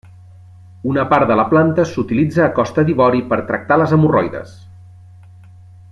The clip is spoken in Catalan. Una part de la planta s'utilitza a Costa d'Ivori per tractar les hemorroides.